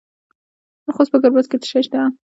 د خوست په ګربز کې څه شی شته؟